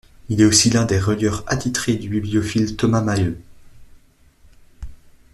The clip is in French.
Il est aussi l'un des relieurs attitrés du bibliophile Thomas Mahieu.